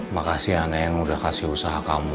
makasih ya nenek udah kasih usaha kamu